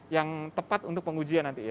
yang tepat untuk pengujian nanti ya